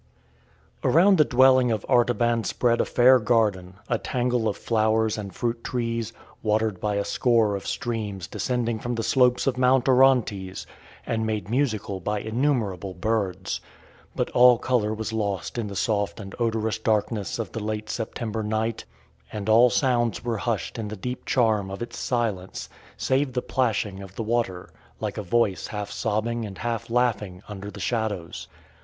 Around the dwelling of Artaban spread a fair garden, a tangle of flowers and fruit trees, watered by a score of streams descending from the slopes of Mount Orontes, and made musical by innumerable birds. But all colour was lost in the soft and odorous darkness of the late September night, and all sounds were hushed in the deep charm of its silence, save the plashing of the water, like a voice half sobbing and half laughing under the shadows.